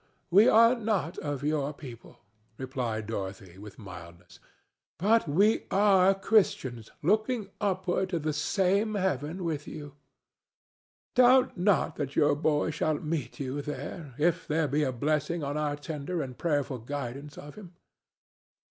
"No, we are not of your people," replied Dorothy, with mildness, "but we are Christians looking upward to the same heaven with you. Doubt not that your boy shall meet you there, if there be a blessing on our tender and prayerful guidance of him.